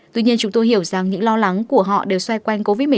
tuy nhiên chúng tôi hiểu rằng những lo lắng của họ đều xoay quanh covid một mươi chín